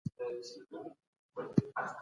ستري جګړي ټول تولیدي پلانونه فلج کړل.